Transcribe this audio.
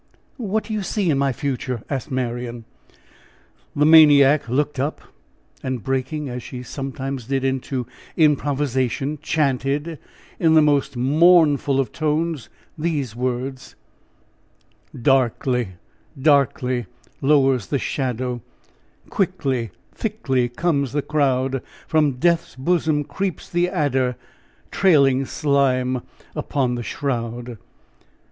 What do you see in my future?" asked Marian. The maniac looked up, and breaking, as she sometimes did, into improvisation, chanted, in the most mournful of tones, these words: "Darkly, deadly, lowers the shadow, Quickly, thickly, comes the crowd From death's bosom creeps the adder, Trailing slime upon the shroud!"